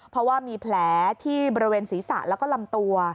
เพราะว่ามีแผลที่บริเวณศีรษะแล้วก็ลำตัว